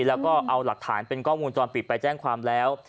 แล้วก็เอาหลักฐานเป็นกล้องวงจรปิดไปแจ้งความแล้ว